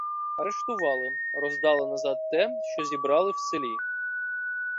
арештували, роздали назад те, що зібрали в селі.